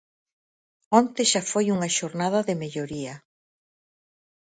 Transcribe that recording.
Onte xa foi unha xornada de melloría.